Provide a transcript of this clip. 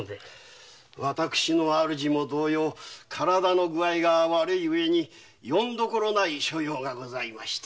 私の主も同様に体の具合が悪いうえによんどころない所用がございまして。